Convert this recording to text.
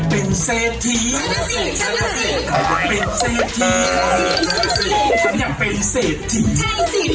เต้นที่ไทยสีดีไทยสีดี